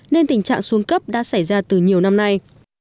nên tình trạng xuống cấp đã xảy ra từ nhiều năm nay